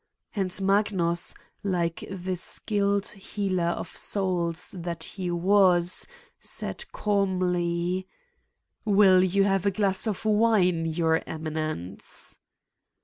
And Magnus, like the skilled healer of souls that he was, said calmly: "Will you have a glass of wine, Your Emi nence?''